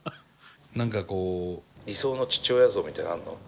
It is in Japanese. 何かこう理想の父親像みたいなのあんの？